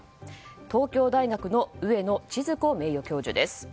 東京大学の上野千鶴子名誉教授です。